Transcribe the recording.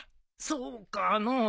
そうかのう？